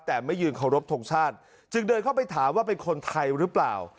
แต่ไม่ยืนเคารพทงชาติจึงเดินเข้าไปถามว่าเป็นคนไทยหรือเปล่า